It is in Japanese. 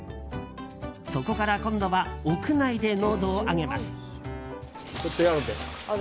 そこから今度は屋内で濃度を上げます。